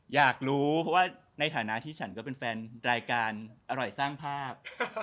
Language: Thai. อยากรู้เพราะว่าในฐานะที่ฉันก็เป็นแฟนรายการอร่อยสร้างภาพ